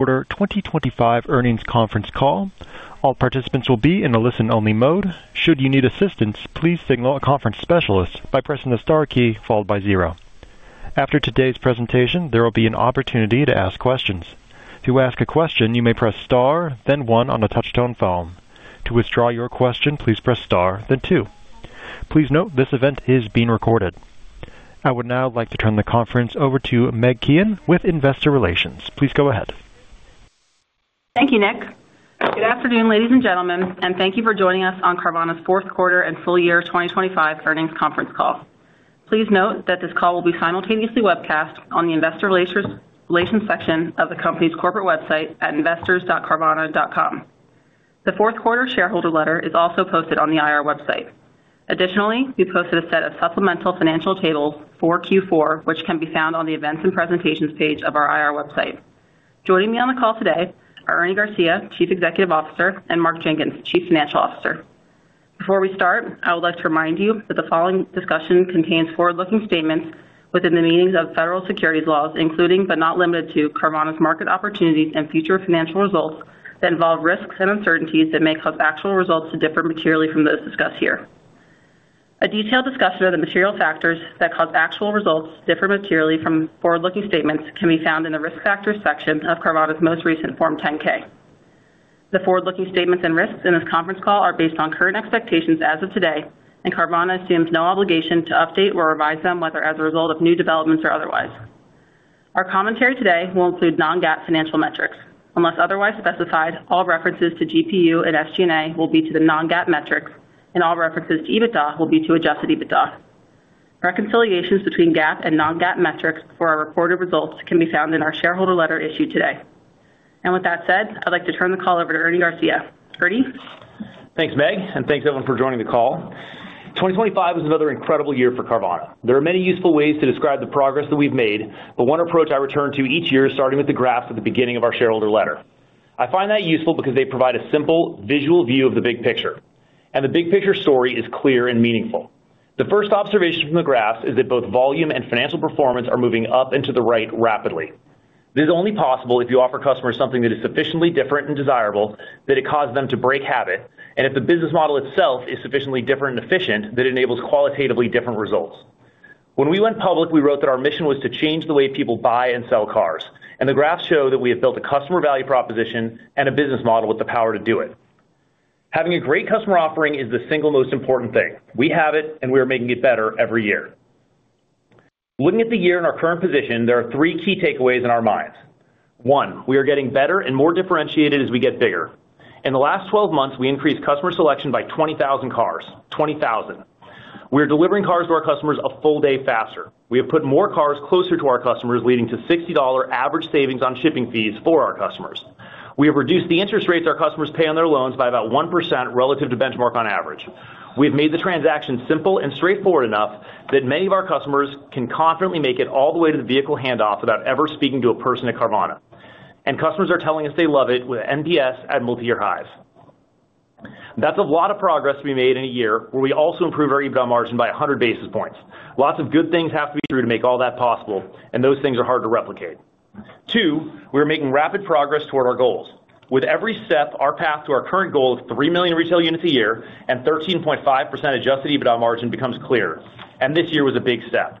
Quarter 2025 earnings conference call. All participants will be in a listen-only mode. Should you need assistance, please signal a conference specialist by pressing the star key followed by zero. After today's presentation, there will be an opportunity to ask questions. To ask a question, you may press star, then one on a touch-tone phone. To withdraw your question, please press star, then two. Please note, this event is being recorded. I would now like to turn the conference over to Meg Kehan with Investor Relations. Please go ahead. Thank you, Nick. Good afternoon, ladies and gentlemen, and thank you for joining us on Carvana's fourth quarter and full-year 2025 earnings conference call. Please note that this call will be simultaneously webcast on the Investor Relations section of the company's corporate website at investors.carvana.com. The fourth quarter shareholder letter is also posted on the IR website. Additionally, we posted a set of supplemental financial tables for Q4, which can be found on the Events and Presentations page of our IR website. Joining me on the call today are Ernie Garcia, Chief Executive Officer, and Mark Jenkins, Chief Financial Officer. Before we start, I would like to remind you that the following discussion contains forward-looking statements within the meanings of federal securities laws, including, but not limited to, Carvana's market opportunities and future financial results, that involve risks and uncertainties that may cause actual results to differ materially from those discussed here. A detailed discussion of the material factors that cause actual results to differ materially from forward-looking statements can be found in the Risk Factors section of Carvana's most recent Form 10-K. The forward-looking statements and risks in this conference call are based on current expectations as of today, and Carvana assumes no obligation to update or revise them, whether as a result of new developments or otherwise. Our commentary today will include non-GAAP financial metrics. Unless otherwise specified, all references to GPU and SG&A will be to the non-GAAP metrics, and all references to EBITDA will be to adjusted EBITDA. Reconciliations between GAAP and non-GAAP metrics for our reported results can be found in our shareholder letter issued today. With that said, I'd like to turn the call over to Ernie Garcia. Ernie? Thanks, Meg, and thanks, everyone, for joining the call. 2025 was another incredible year for Carvana. There are many useful ways to describe the progress that we've made, but one approach I return to each year is starting with the graphs at the beginning of our shareholder letter. I find that useful because they provide a simple visual view of the big picture, and the big picture story is clear and meaningful. The first observation from the graphs is that both volume and financial performance are moving up into the right rapidly. This is only possible if you offer customers something that is sufficiently different and desirable that it causes them to break habit, and if the business model itself is sufficiently different and efficient, that enables qualitatively different results. When we went public, we wrote that our mission was to change the way people buy and sell cars, and the graphs show that we have built a customer value proposition and a business model with the power to do it. Having a great customer offering is the single most important thing. We have it, and we are making it better every year. Looking at the year in our current position, there are three key takeaways in our minds. One, we are getting better and more differentiated as we get bigger. In the last 12 months, we increased customer selection by 20,000 cars. 20,000. We are delivering cars to our customers a full day faster. We have put more cars closer to our customers, leading to $60 average savings on shipping fees for our customers. We have reduced the interest rates our customers pay on their loans by about 1% relative to benchmark on average. We've made the transaction simple and straightforward enough that many of our customers can confidently make it all the way to the vehicle handoff without ever speaking to a person at Carvana. And customers are telling us they love it, with NPS at multi-year highs. That's a lot of progress we made in a year, where we also improved our EBITDA margin by 100 basis points. Lots of good things have to be true to make all that possible, and those things are hard to replicate. Two, we are making rapid progress toward our goals. With every step, our path to our current goal of 3 million retail units a year and 13.5% adjusted EBITDA margin becomes clearer, and this year was a big step.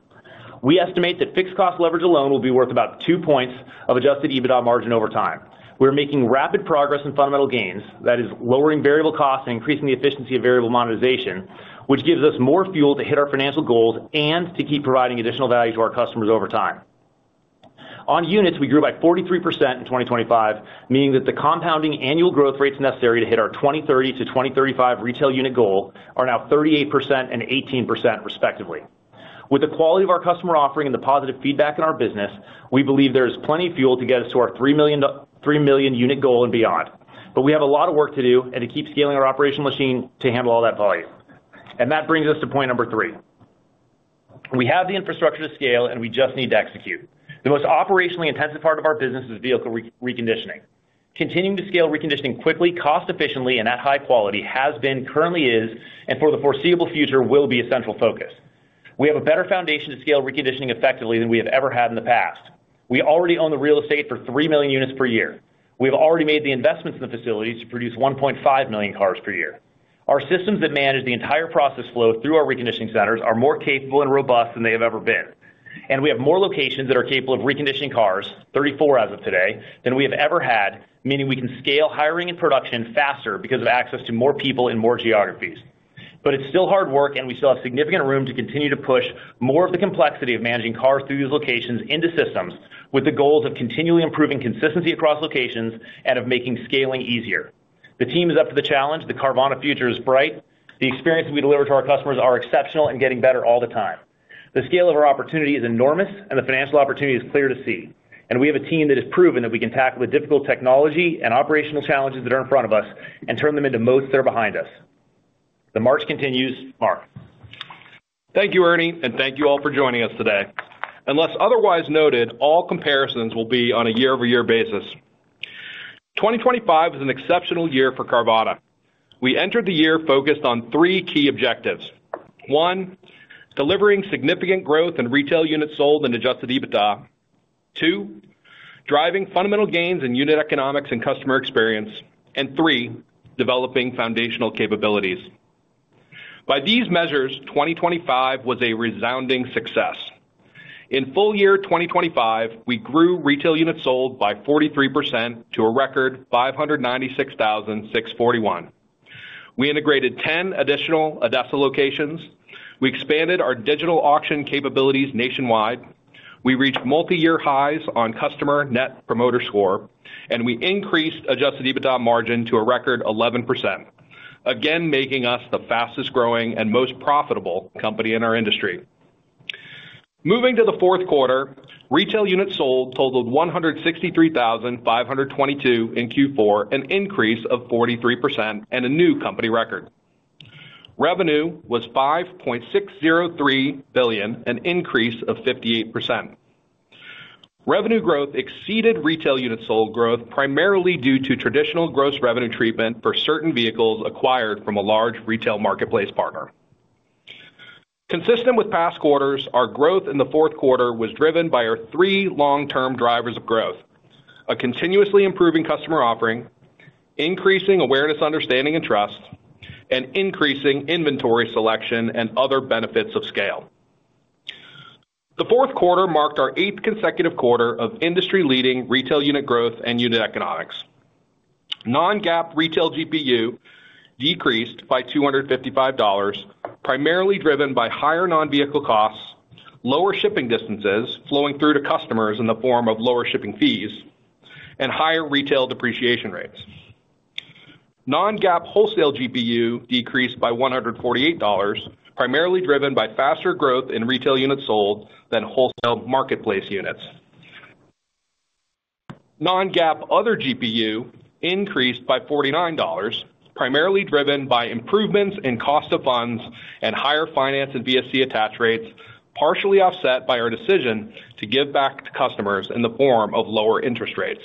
We estimate that fixed cost leverage alone will be worth about 2 points of Adjusted EBITDA margin over time. We're making rapid progress in fundamental gains. That is, lowering variable costs and increasing the efficiency of variable monetization, which gives us more fuel to hit our financial goals and to keep providing additional value to our customers over time. On units, we grew by 43% in 2025, meaning that the compounding annual growth rates necessary to hit our 2030-2035 retail unit goal are now 38% and 18% respectively. With the quality of our customer offering and the positive feedback in our business, we believe there is plenty of fuel to get us to our 3 million unit goal and beyond. But we have a lot of work to do, and to keep scaling our operational machine to handle all that volume. That brings us to point number three. We have the infrastructure to scale, and we just need to execute. The most operationally intensive part of our business is vehicle reconditioning. Continuing to scale reconditioning quickly, cost efficiently, and at high quality has been, currently is, and for the foreseeable future, will be a central focus. We have a better foundation to scale reconditioning effectively than we have ever had in the past. We already own the real estate for 3 million units per year. We've already made the investments in the facilities to produce 1.5 million cars per year. Our systems that manage the entire process flow through our reconditioning centers are more capable and robust than they have ever been, and we have more locations that are capable of reconditioning cars, 34 as of today, than we have ever had, meaning we can scale hiring and production faster because of access to more people in more geographies. But it's still hard work, and we still have significant room to continue to push more of the complexity of managing cars through these locations into systems, with the goals of continually improving consistency across locations and of making scaling easier. The team is up for the challenge. The Carvana future is bright. The experiences we deliver to our customers are exceptional and getting better all the time. The scale of our opportunity is enormous and the financial opportunity is clear to see. We have a team that has proven that we can tackle the difficult technology and operational challenges that are in front of us and turn them into moats that are behind us. The march continues. Mark? Thank you, Ernie, and thank you all for joining us today. Unless otherwise noted, all comparisons will be on a year-over-year basis. 2025 was an exceptional year for Carvana. We entered the year focused on three key objectives. One, delivering significant growth in retail units sold and Adjusted EBITDA. Two, driving fundamental gains in unit economics and customer experience, and three, developing foundational capabilities. By these measures, 2025 was a resounding success. In full-year 2025, we grew retail units sold by 43% to a record 596,641. We integrated 10 additional ADESA locations. We expanded our digital auction capabilities nationwide. We reached multi-year highs on customer Net Promoter Score, and we increased Adjusted EBITDA margin to a record 11%, again, making us the fastest-growing and most profitable company in our industry. Moving to the fourth quarter, retail units sold totaled 163,522 in Q4, an increase of 43% and a new company record. Revenue was $5.603 billion, an increase of 58%. Revenue growth exceeded retail units sold growth primarily due to traditional gross revenue treatment for certain vehicles acquired from a large retail marketplace partner. Consistent with past quarters, our growth in the fourth quarter was driven by our three long-term drivers of growth, a continuously improving customer offering, increasing awareness, understanding, and trust, and increasing inventory selection and other benefits of scale. The fourth quarter marked our 8th consecutive quarter of industry-leading retail unit growth and unit economics. Non-GAAP retail GPU decreased by $255, primarily driven by higher non-vehicle costs, lower shipping distances flowing through to customers in the form of lower shipping fees, and higher retail depreciation rates. Non-GAAP wholesale GPU decreased by $148, primarily driven by faster growth in retail units sold than wholesale marketplace units. Non-GAAP other GPU increased by $49, primarily driven by improvements in cost of funds and higher finance and VSC attach rates, partially offset by our decision to give back to customers in the form of lower interest rates.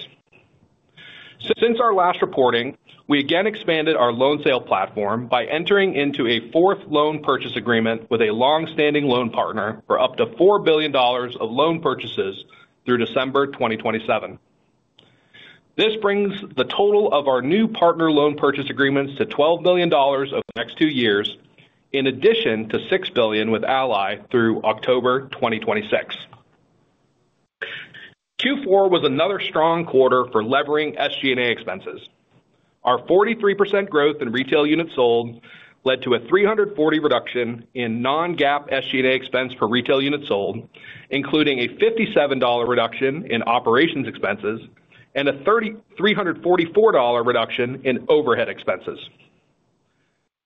Since our last reporting, we again expanded our loan sale platform by entering into a fourth loan purchase agreement with a long-standing loan partner for up to $4 billion of loan purchases through December 2027. This brings the total of our new partner loan purchase agreements to $12 billion over the next two years, in addition to $6 billion with Ally through October 2026. Q4 was another strong quarter for levering SG&A expenses. Our 43% growth in retail units sold led to a $340 reduction in non-GAAP SG&A expense per retail unit sold, including a $57 reduction in operations expenses and a $3,344 reduction in overhead expenses.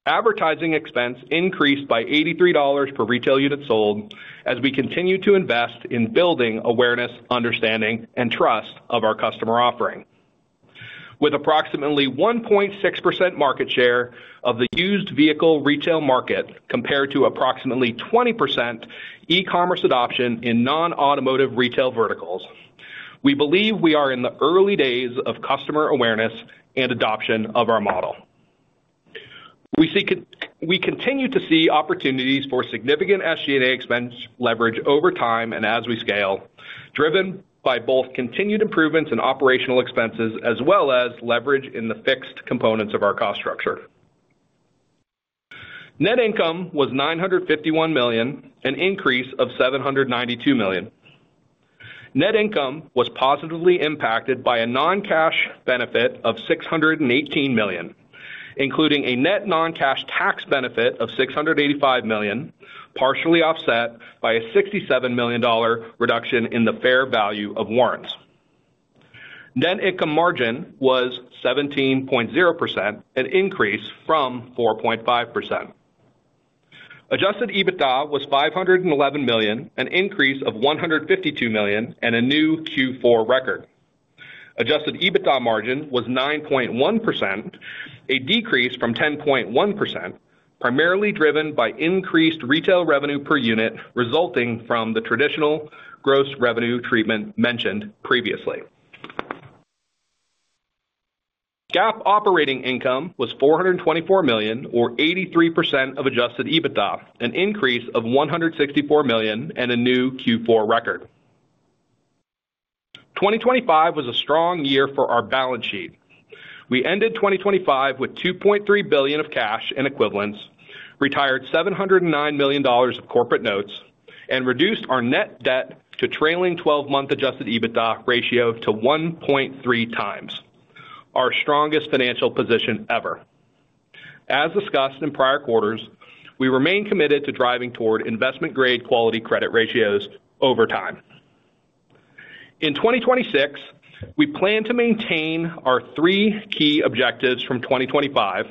Advertising expense increased by $83 per retail unit sold as we continue to invest in building awareness, understanding, and trust of our customer offering. With approximately 1.6% market share of the used vehicle retail market, compared to approximately 20% e-commerce adoption in non-automotive retail verticals, we believe we are in the early days of customer awareness and adoption of our model. We continue to see opportunities for significant SG&A expense leverage over time and as we scale, driven by both continued improvements in operational expenses as well as leverage in the fixed components of our cost structure. Net income was $951 million, an increase of $792 million. Net income was positively impacted by a non-cash benefit of $618 million, including a net non-cash tax benefit of $685 million, partially offset by a $67 million reduction in the fair value of warrants. Net income margin was 17.0%, an increase from 4.5%. Adjusted EBITDA was $511 million, an increase of $152 million, and a new Q4 record. Adjusted EBITDA margin was 9.1%, a decrease from 10.1%, primarily driven by increased retail revenue per unit, resulting from the traditional gross revenue treatment mentioned previously. GAAP operating income was $424 million or 83% of Adjusted EBITDA, an increase of $164 million and a new Q4 record. 2025 was a strong year for our balance sheet. We ended 2025 with $2.3 billion of cash and equivalents, retired $709 million of corporate notes, and reduced our net debt to trailing twelve-month Adjusted EBITDA ratio to 1.3x, our strongest financial position ever. As discussed in prior quarters, we remain committed to driving toward investment-grade quality credit ratios over time. In 2026, we plan to maintain our three key objectives from 2025,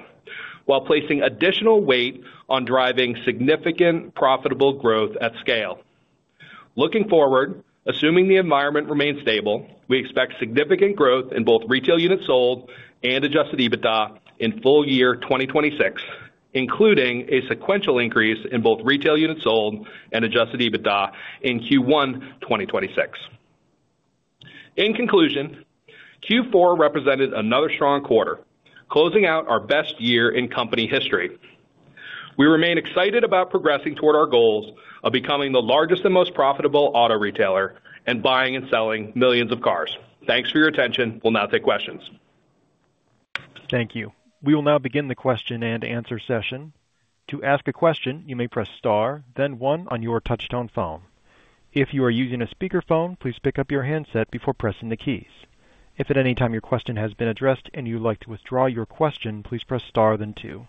while placing additional weight on driving significant profitable growth at scale. Looking forward, assuming the environment remains stable, we expect significant growth in both retail units sold and Adjusted EBITDA in full year 2026. Including a sequential increase in both retail units sold and Adjusted EBITDA in Q1 2026. In conclusion, Q4 represented another strong quarter, closing out our best year in company history. We remain excited about progressing toward our goals of becoming the largest and most profitable auto retailer and buying and selling millions of cars. Thanks for your attention. We'll now take questions. Thank you. We will now begin the question and answer session. To ask a question, you may press star, then one on your touchtone phone. If you are using a speakerphone, please pick up your handset before pressing the keys. If at any time your question has been addressed and you'd like to withdraw your question, please press star then two.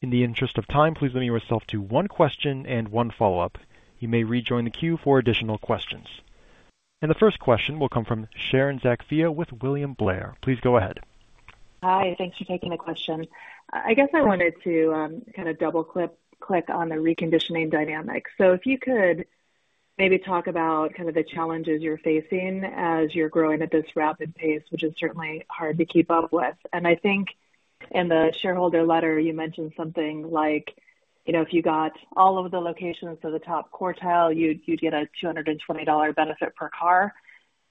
In the interest of time, please limit yourself to one question and one follow-up. You may rejoin the queue for additional questions. The first question will come from Sharon Zackfia with William Blair. Please go ahead. Hi, thanks for taking the question. I guess I wanted to kind of double-click on the reconditioning dynamics. So if you could maybe talk about kind of the challenges you're facing as you're growing at this rapid pace, which is certainly hard to keep up with. And I think in the shareholder letter, you mentioned something like, you know, if you got all of the locations to the top quartile, you'd get a $220 benefit per car.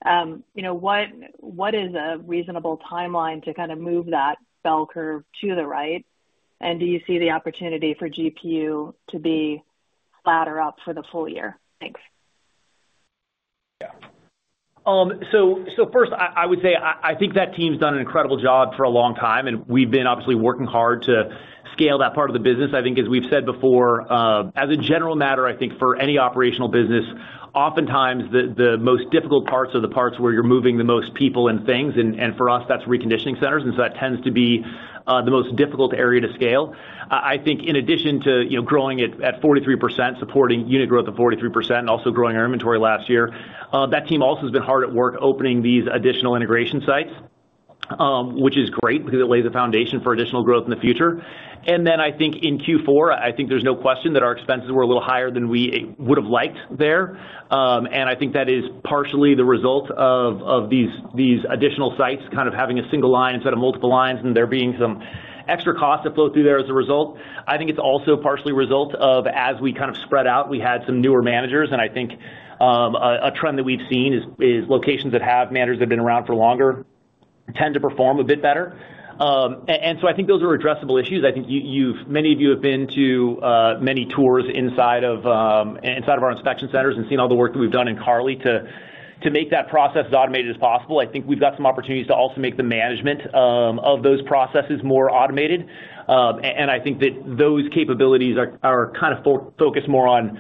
You know, what is a reasonable timeline to kind of move that bell curve to the right? And do you see the opportunity for GPU to be flat or up for the full year? Thanks. Yeah. So first, I would say I think that team's done an incredible job for a long time, and we've been obviously working hard to scale that part of the business. I think, as we've said before, as a general matter, I think for any operational business, oftentimes the most difficult parts are the parts where you're moving the most people and things, and for us, that's reconditioning centers, and so that tends to be the most difficult area to scale. I think in addition to, you know, growing at 43%, supporting unit growth of 43% and also growing our inventory last year, that team also has been hard at work opening these additional integration sites, which is great because it lays the foundation for additional growth in the future. And then I think in Q4, I think there's no question that our expenses were a little higher than we would have liked there. And I think that is partially the result of these additional sites kind of having a single line instead of multiple lines, and there being some extra costs that flow through there as a result. I think it's also partially a result of as we kind of spread out, we had some newer managers, and I think a trend that we've seen is locations that have managers that have been around for longer tend to perform a bit better. And so I think those are addressable issues. I think many of you have been to many tours inside of, inside of our inspection centers and seen all the work that we've done in Carli to make that process as automated as possible. I think we've got some opportunities to also make the management of those processes more automated. And I think that those capabilities are kind of focused more on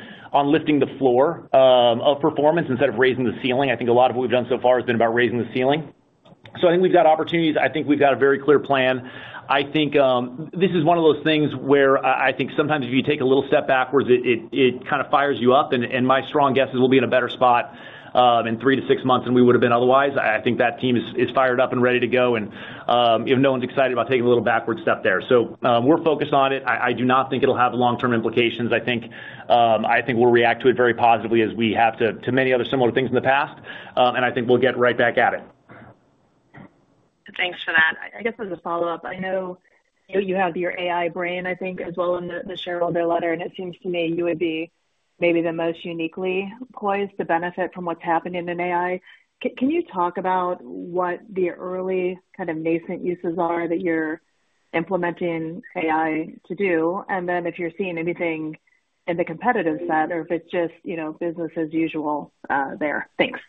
lifting the floor of performance instead of raising the ceiling. I think a lot of what we've done so far has been about raising the ceiling. So I think we've got opportunities. I think we've got a very clear plan. I think this is one of those things where I think sometimes if you take a little step backwards, it kind of fires you up, and my strong guess is we'll be in a better spot in 3-6 months than we would have been otherwise. I think that team is fired up and ready to go, and you know, no one's excited about taking a little backward step there. So we're focused on it. I do not think it'll have long-term implications. I think we'll react to it very positively as we have to many other similar things in the past, and I think we'll get right back at it. Thanks for that. I guess as a follow-up, I know you have your AI brain, I think, as well in the shareholder letter, and it seems to me you would be maybe the most uniquely poised to benefit from what's happening in AI. Can you talk about what the early kind of nascent uses are that you're implementing AI to do, and then if you're seeing anything in the competitive set or if it's just, you know, business as usual there? Thanks.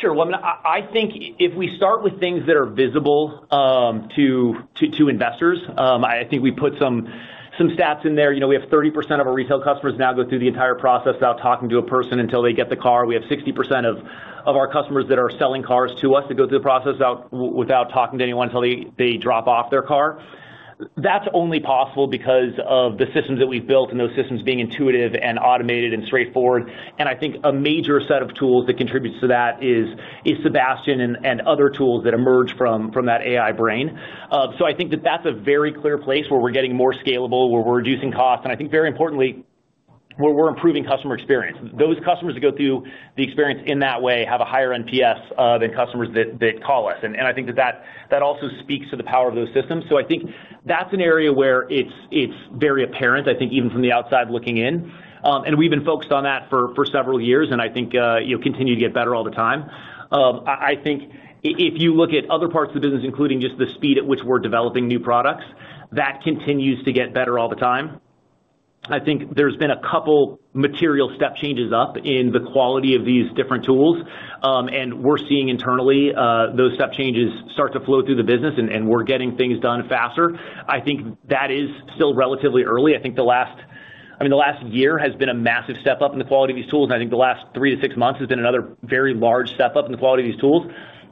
Sure. Well, I mean, I think if we start with things that are visible to investors, I think we put some stats in there. You know, we have 30% of our retail customers now go through the entire process without talking to a person until they get the car. We have 60% of our customers that are selling cars to us go through the process without talking to anyone until they drop off their car. That's only possible because of the systems that we've built and those systems being intuitive and automated and straightforward. And I think a major set of tools that contributes to that is Sebastian and other tools that emerge from that AI brain. So I think that's a very clear place where we're getting more scalable, where we're reducing costs, and I think very importantly, where we're improving customer experience. Those customers that go through the experience in that way have a higher NPS than customers that call us. And I think that also speaks to the power of those systems. So I think that's an area where it's very apparent, I think, even from the outside looking in. And we've been focused on that for several years, and I think you'll continue to get better all the time. I think if you look at other parts of the business, including just the speed at which we're developing new products, that continues to get better all the time. I think there's been a couple material step changes up in the quality of these different tools, and we're seeing internally, those step changes start to flow through the business, and, and we're getting things done faster. I think that is still relatively early. I mean, the last year has been a massive step up in the quality of these tools, and I think the last three to six months has been another very large step up in the quality of these tools.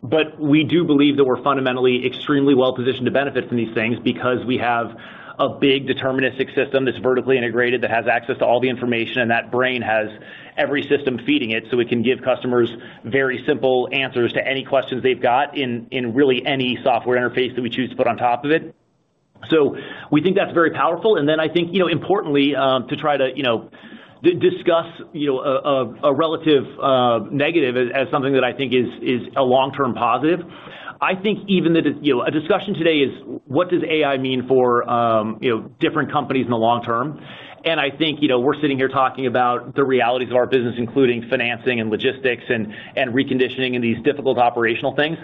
But we do believe that we're fundamentally extremely well positioned to benefit from these things because we have a big deterministic system that's vertically integrated, that has access to all the information, and that brain has every system feeding it, so we can give customers very simple answers to any questions they've got in really any software interface that we choose to put on top of it. We think that's very powerful. And then I think, you know, importantly, to try to, you know, discuss, you know, a relative negative as something that I think is a long-term positive. I think even the discussion today is, what does AI mean for, you know, different companies in the long term? I think, you know, we're sitting here talking about the realities of our business, including financing and logistics and reconditioning and these difficult operational things.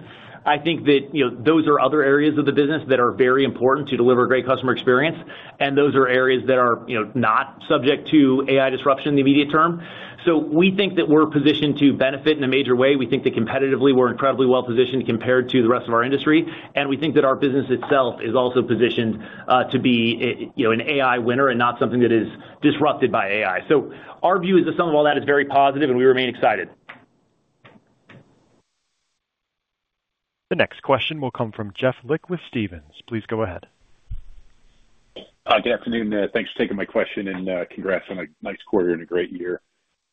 I think that, you know, those are other areas of the business that are very important to deliver a great customer experience, and those are areas that are, you know, not subject to AI disruption in the immediate term. So we think that we're positioned to benefit in a major way. We think that competitively, we're incredibly well positioned compared to the rest of our industry, and we think that our business itself is also positioned to be, you know, an AI winner and not something that is disrupted by AI. So our view is the sum of all that is very positive, and we remain excited. The next question will come from Jeff Lick with Stephens. Please go ahead. Good afternoon. Thanks for taking my question, and congrats on a nice quarter and a great year.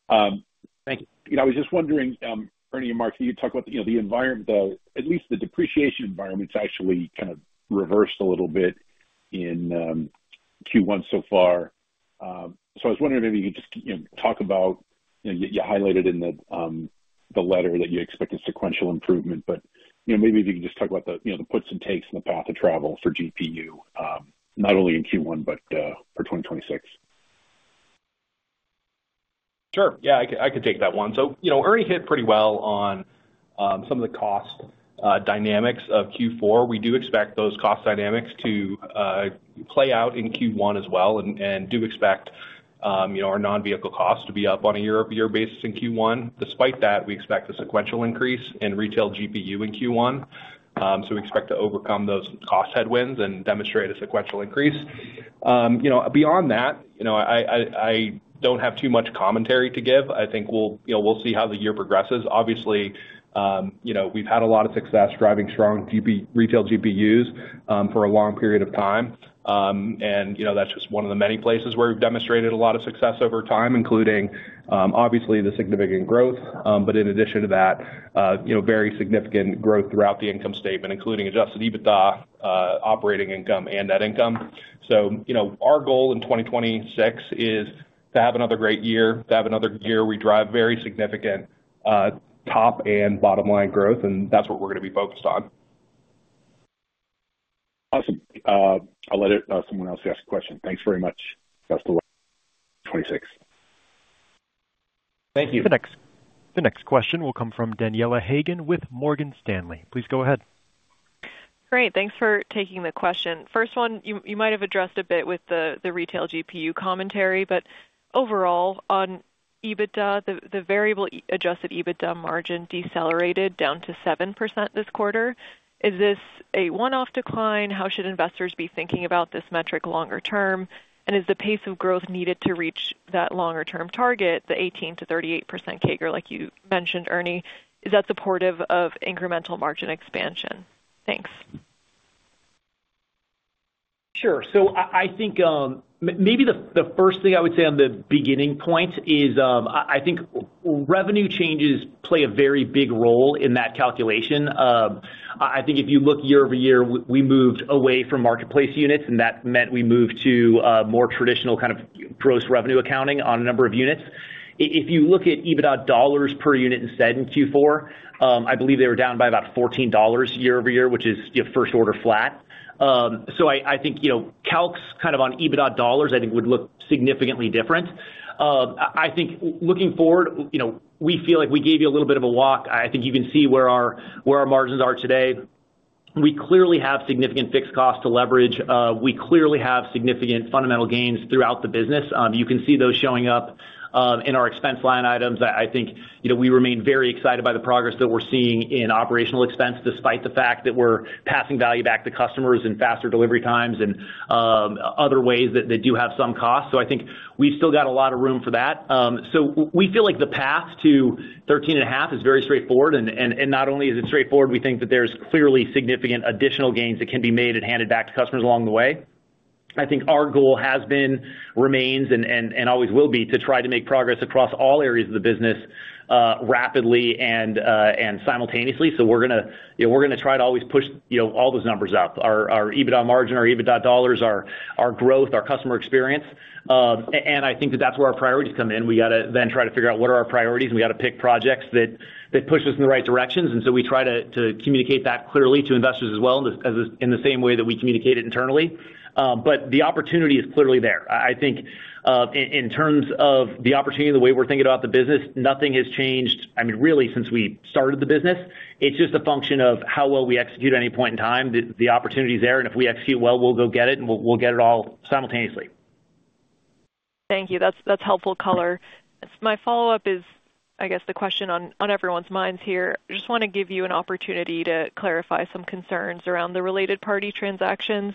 Thank you. You know, I was just wondering, Ernie and Mark, can you talk about, you know, the environment, though, at least the depreciation environment's actually kind of reversed a little bit in Q1 so far. So I was wondering if maybe you could just, you know, talk about, and you highlighted in the, the letter that you expect a sequential improvement. But, you know, maybe if you can just talk about the, you know, the puts and takes in the path of travel for GPU, not only in Q1, but for 2026. Sure. Yeah, I could take that one. So, you know, Ernie hit pretty well on some of the cost dynamics of Q4. We do expect those cost dynamics to play out in Q1 as well, and do expect, you know, our non-vehicle costs to be up on a year-over-year basis in Q1. Despite that, we expect a sequential increase in retail GPU in Q1. So we expect to overcome those cost headwinds and demonstrate a sequential increase. You know, beyond that, you know, I don't have too much commentary to give. I think we'll, you know, we'll see how the year progresses. Obviously, you know, we've had a lot of success driving strong GP Retail GPUs for a long period of time. And, you know, that's just one of the many places where we've demonstrated a lot of success over time, including, obviously, the significant growth, but in addition to that, you know, very significant growth throughout the income statement, including Adjusted EBITDA, operating income and net income. So, you know, our goal in 2026 is to have another great year, to have another year we drive very significant, top and bottom line growth, and that's what we're going to be focused on. Awesome. I'll let someone else ask a question. Thanks very much. That's the way, 2026. Thank you. The next question will come from Daniela Haigian with Morgan Stanley. Please go ahead. Great. Thanks for taking the question. First one, you might have addressed a bit with the retail GPU commentary, but overall, on EBITDA, the variably-adjusted EBITDA margin decelerated down to 7% this quarter. Is this a one-off decline? How should investors be thinking about this metric longer term, and is the pace of growth needed to reach that longer-term target, the 18%-38% CAGR, like you mentioned, Ernie, is that supportive of incremental margin expansion? Thanks. Sure. So I think maybe the first thing I would say on the beginning point is, I think revenue changes play a very big role in that calculation. I think if you look year-over-year, we moved away from marketplace units, and that meant we moved to more traditional kind of gross revenue accounting on a number of units. If you look at EBITDA dollars per unit instead, in Q4, I believe they were down by about $14 year-over-year, which is, you know, first order flat. So I think, you know, calcs kind of on EBITDA dollars, I think would look significantly different. I think looking forward, you know, we feel like we gave you a little bit of a walk. I think you can see where our margins are today. We clearly have significant fixed costs to leverage. We clearly have significant fundamental gains throughout the business. You can see those showing up in our expense line items. I think, you know, we remain very excited by the progress that we're seeing in operational expense, despite the fact that we're passing value back to customers in faster delivery times and other ways that do have some cost. So I think we've still got a lot of room for that. So we feel like the path to 13.5 is very straightforward, and not only is it straightforward, we think that there's clearly significant additional gains that can be made and handed back to customers along the way. I think our goal has been, remains, and always will be, to try to make progress across all areas of the business, rapidly and simultaneously. So we're going to, you know, we're going to try to always push, you know, all those numbers up. Our EBITDA margin, our EBITDA dollars, our growth, our customer experience. And I think that's where our priorities come in. We got to then try to figure out what are our priorities, and we got to pick projects that push us in the right directions. And so we try to communicate that clearly to investors as well, as in the same way that we communicate it internally. But the opportunity is clearly there. I think, in terms of the opportunity, the way we're thinking about the business, nothing has changed, I mean, really, since we started the business. It's just a function of how well we execute at any point in time. The opportunity is there, and if we execute well, we'll go get it, and we'll get it all simultaneously. Thank you. That's helpful color. My follow-up is, I guess, the question on everyone's minds here. I just want to give you an opportunity to clarify some concerns around the related party transactions.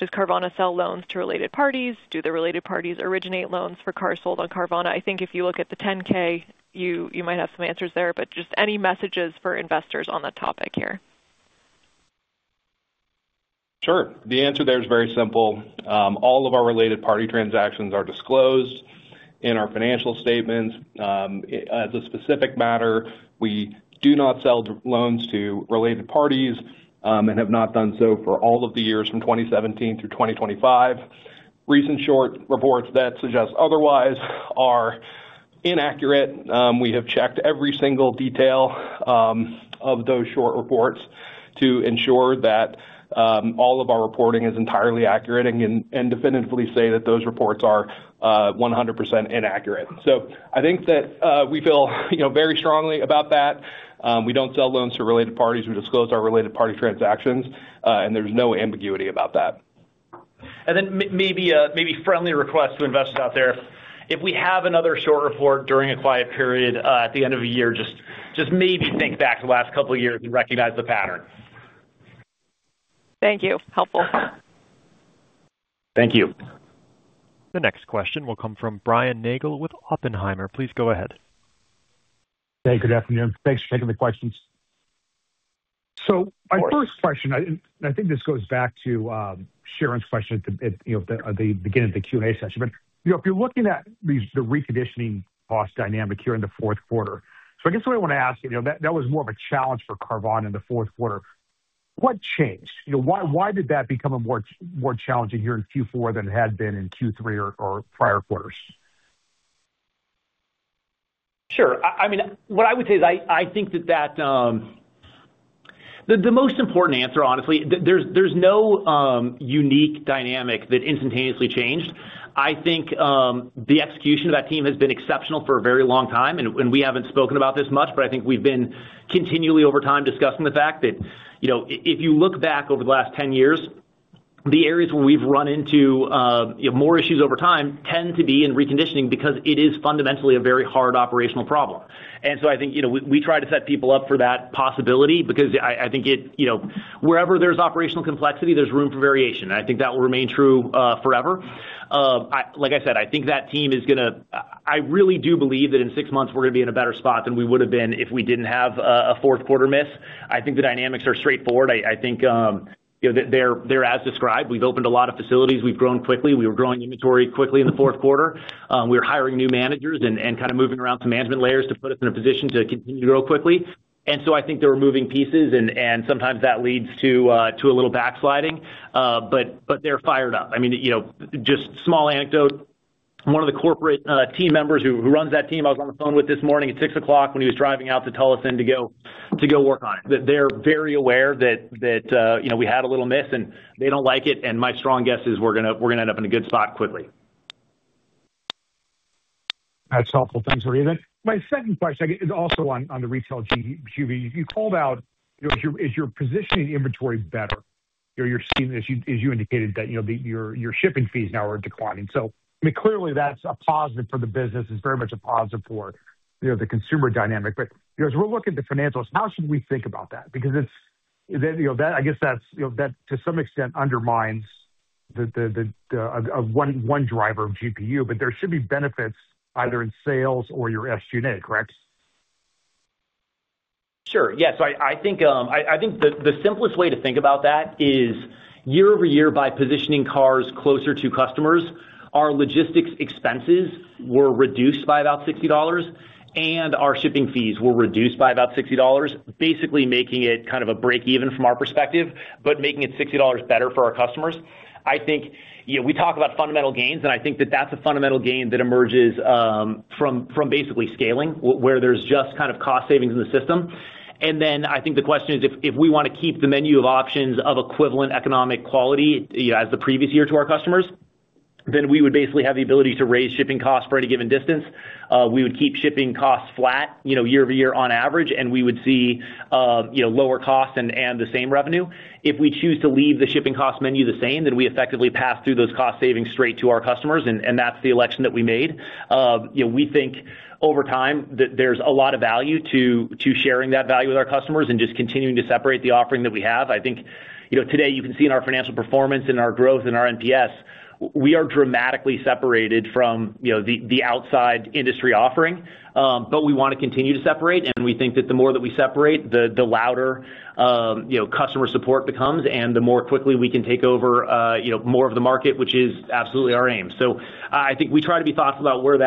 Does Carvana sell loans to related parties? Do the related parties originate loans for cars sold on Carvana? I think if you look at the 10-K, you might have some answers there, but just any messages for investors on that topic here? Sure. The answer there is very simple. All of our related party transactions are disclosed in our financial statements. As a specific matter, we do not sell loans to related parties, and have not done so for all of the years from 2017 through 2025. Recent short reports that suggest otherwise are inaccurate. We have checked every single detail of those short reports to ensure that all of our reporting is entirely accurate, and definitively say that those reports are 100% inaccurate. So I think that we feel, you know, very strongly about that. We don't sell loans to related parties. We disclose our related party transactions, and there's no ambiguity about that. Then maybe a friendly request to investors out there. If we have another short report during a quiet period at the end of the year, just maybe think back to the last couple of years and recognize the pattern. Thank you. Helpful. Thank you. The next question will come from Brian Nagel with Oppenheimer. Please go ahead. Hey, good afternoon. Thanks for taking the questions. So my first question, and I think this goes back to Sharon's question at the, you know, the beginning of the Q&A session. But, you know, if you're looking at these, the reconditioning cost dynamic here in the fourth quarter. So I guess what I want to ask, you know, that was more of a challenge for Carvana in the fourth quarter. What changed? You know, why did that become a more challenging here in Q4 than it had been in Q3 or prior quarters? Sure. I mean, what I would say is I think that the most important answer, honestly, there's no unique dynamic that instantaneously changed. I think the execution of that team has been exceptional for a very long time, and we haven't spoken about this much, but I think we've been continually over time discussing the fact that, you know, if you look back over the last 10 years, the areas where we've run into more issues over time tend to be in reconditioning because it is fundamentally a very hard operational problem. And so I think, you know, we try to set people up for that possibility because I think it, you know, wherever there's operational complexity, there's room for variation. I think that will remain true forever. Like I said, I think that team is gonna... I really do believe that in six months, we're going to be in a better spot than we would have been if we didn't have a fourth quarter miss. I think the dynamics are straightforward. I think, you know, they're as described. We've opened a lot of facilities. We've grown quickly. We were growing inventory quickly in the fourth quarter. We were hiring new managers and kind of moving around some management layers to put us in a position to continue to grow quickly. I think there were moving pieces and sometimes that leads to a little backsliding, but they're fired up. I mean, you know, just small anecdote, one of the corporate team members who runs that team, I was on the phone with this morning at 6:00 A.M. when he was driving out to Tucson to go work on it. They're very aware that, you know, we had a little miss, and they don't like it, and my strong guess is we're gonna end up in a good spot quickly. That's helpful. Thanks for that. My second question is also on the retail GPU. You called out, you know, is your positioning inventory better? You know, you're seeing, as you indicated, that, you know, your shipping fees now are declining. So, I mean, clearly, that's a positive for the business. It's very much a positive for, you know, the consumer dynamic. But, you know, as we're looking at the financials, how should we think about that? Because it's, you know, that I guess that's, you know, that to some extent undermines the one driver of GPU, but there should be benefits either in sales or your SG&A, correct? Sure. Yes, I think the simplest way to think about that is year-over-year, by positioning cars closer to customers, our logistics expenses were reduced by about $60, and our shipping fees were reduced by about $60, basically making it kind of a break even from our perspective, but making it $60 better for our customers. I think, you know, we talk about fundamental gains, and I think that that's a fundamental gain that emerges from basically scaling, where there's just kind of cost savings in the system. And then I think the question is, if we want to keep the menu of options of equivalent economic quality, you know, as the previous year to our customers, then we would basically have the ability to raise shipping costs for any given distance. We would keep shipping costs flat, you know, year-over-year on average, and we would see, you know, lower costs and, and the same revenue. If we choose to leave the shipping cost menu the same, then we effectively pass through those cost savings straight to our customers, and, and that's the election that we made. You know, we think over time, that there's a lot of value to, to sharing that value with our customers and just continuing to separate the offering that we have. I think, you know, today, you can see in our financial performance and our growth in our NPS, we are dramatically separated from, you know, the outside industry offering, but we want to continue to separate, and we think that the more that we separate, the louder, you know, customer support becomes and the more quickly we can take over, you know, more of the market, which is absolutely our aim. So I think we try to be thoughtful about where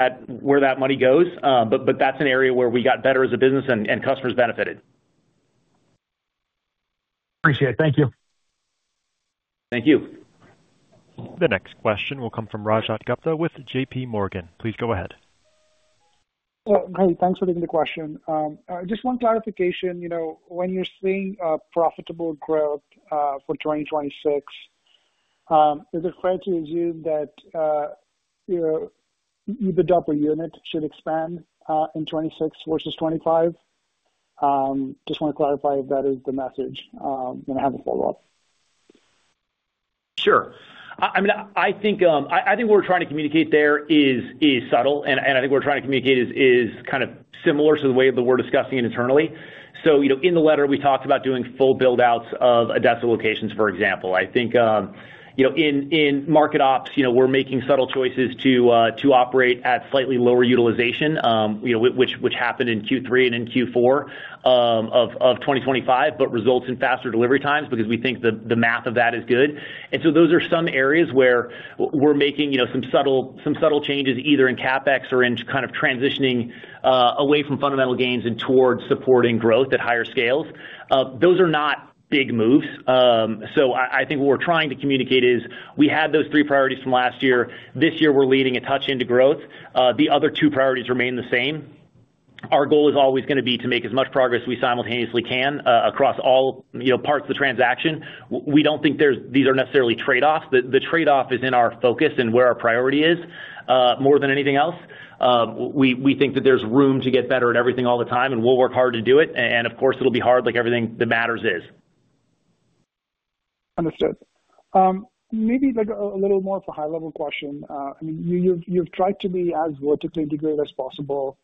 that money goes, but that's an area where we got better as a business and customers benefited. Appreciate it. Thank you. Thank you. The next question will come from Rajat Gupta with JPMorgan. Please go ahead. Well, great. Thanks for taking the question. Just one clarification. You know, when you're seeing profitable growth for 2026, is it fair to assume that, you know, the dollar unit should expand in 2026 versus 2025? Just want to clarify if that is the message. And I have a follow-up. Sure. I mean, I think, I think what we're trying to communicate there is subtle, and I think what we're trying to communicate is kind of similar to the way that we're discussing it internally. You know, in the letter, we talked about doing full buildouts of ADESA locations, for example. I think, you know, in market ops, you know, we're making subtle choices to operate at slightly lower utilization, you know, which happened in Q3 and in Q4 of 2025, but results in faster delivery times because we think that the math of that is good. Those are some areas where we're making, you know, some subtle, some subtle changes, either in CapEx or in kind of transitioning away from fundamental gains and towards supporting growth at higher scales.... Those are not big moves. So I think what we're trying to communicate is, we had those three priorities from last year. This year, we're leading a touch into growth. The other two priorities remain the same. Our goal is always gonna be to make as much progress we simultaneously can, across all, you know, parts of the transaction. We don't think these are necessarily trade-offs. The trade-off is in our focus and where our priority is, more than anything else. We think that there's room to get better at everything all the time, and we'll work hard to do it. And of course, it'll be hard, like everything that matters is. Understood. Maybe, like, a little more of a high-level question. I mean, you've, you've tried to be as vertically integrated as possible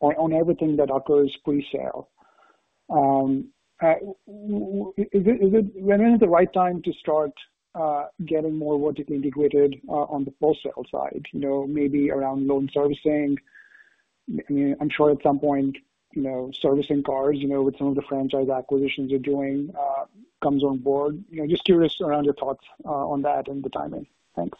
on, on everything that occurs pre-sale. Is it, is it -- when is the right time to start getting more vertically integrated on the post-sale side? You know, maybe around loan servicing. I mean, I'm sure at some point, you know, servicing cars, you know, with some of the franchise acquisitions you're doing, comes on board. You know, just curious around your thoughts on that and the timing. Thanks.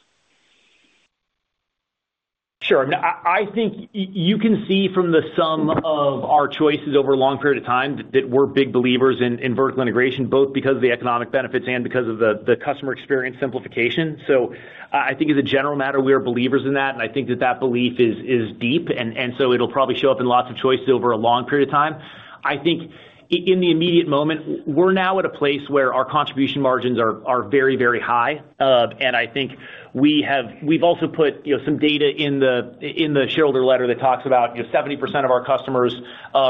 Sure. I think you can see from the sum of our choices over a long period of time, that we're big believers in vertical integration, both because of the economic benefits and because of the customer experience simplification. So I think as a general matter, we are believers in that, and I think that belief is deep, and so it'll probably show up in lots of choices over a long period of time. I think in the immediate moment, we're now at a place where our contribution margins are very, very high. And I think we have—we've also put, you know, some data in the—in the shareholder letter that talks about, you know, 70% of our customers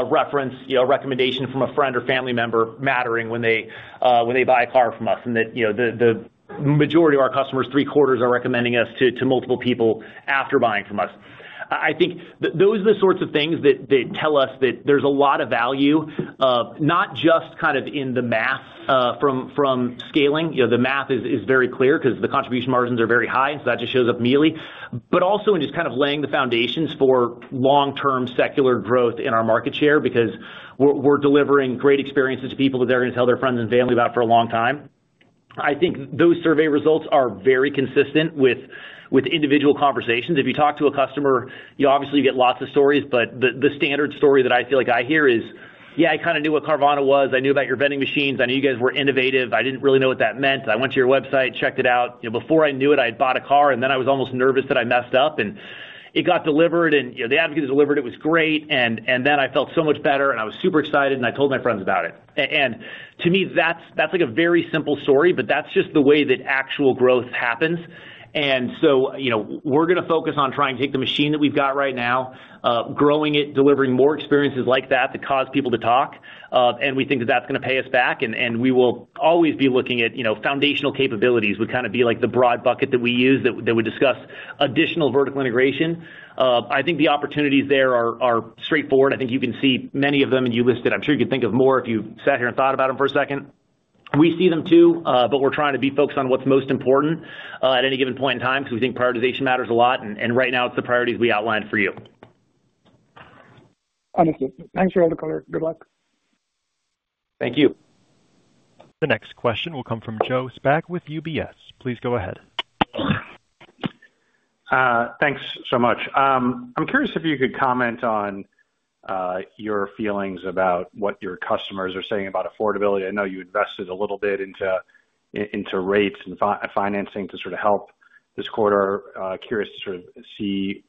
reference, you know, a recommendation from a friend or family member mattering when they when they buy a car from us. And that, you know, the majority of our customers, three-quarters, are recommending us to multiple people after buying from us. I think those are the sorts of things that tell us that there's a lot of value, not just kind of in the math, from scaling. You know, the math is very clear because the contribution margins are very high, so that just shows up immediately. But also, in just kind of laying the foundations for long-term secular growth in our market share, because we're delivering great experiences to people that they're gonna tell their friends and family about for a long time. I think those survey results are very consistent with individual conversations. If you talk to a customer, you obviously get lots of stories, but the standard story that I feel like I hear is, "Yeah, I kinda knew what Carvana was. I knew about your vending machines. I knew you guys were innovative. I didn't really know what that meant. I went to your website, checked it out. You know, before I knew it, I had bought a car, and then I was almost nervous that I messed up, and it got delivered, and, you know, the advocate that delivered it was great, and, and then I felt so much better, and I was super excited, and I told my friends about it. And to me, that's, that's, like, a very simple story, but that's just the way that actual growth happens. And so, you know, we're gonna focus on trying to take the machine that we've got right now, growing it, delivering more experiences like that, that cause people to talk. And we think that that's gonna pay us back, and, and we will always be looking at, you know, foundational capabilities, would kind of be, like, the broad bucket that we use, that, that would discuss additional vertical integration. I think the opportunities there are straightforward. I think you can see many of them, and you listed... I'm sure you could think of more if you sat here and thought about them for a second. We see them, too, but we're trying to be focused on what's most important at any given point in time, because we think prioritization matters a lot, and right now, it's the priorities we outlined for you. Understood. Thanks for all the color. Good luck. Thank you. The next question will come from Joe Spak with UBS. Please go ahead. Thanks so much. I'm curious if you could comment on your feelings about what your customers are saying about affordability. I know you invested a little bit into rates and financing to sort of help this quarter. Curious to sort of see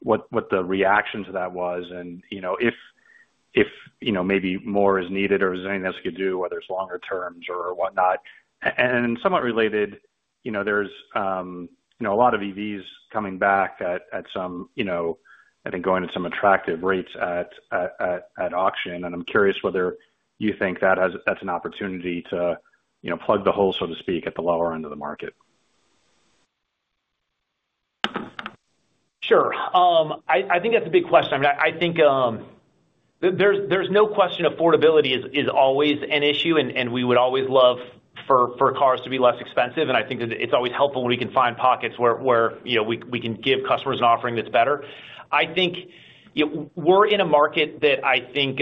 what the reaction to that was, and you know, if you know, maybe more is needed, or if there's anything else you could do, whether it's longer terms or whatnot. And somewhat related, you know, there's you know, a lot of EVs coming back at some you know, I think, going at some attractive rates at auction, and I'm curious whether you think that that's an opportunity to you know, plug the hole, so to speak, at the lower end of the market. Sure. I think that's a big question. I mean, I think, there's no question affordability is always an issue, and we would always love for cars to be less expensive. And I think that it's always helpful when we can find pockets where, you know, we can give customers an offering that's better. I think, you know, we're in a market that I think,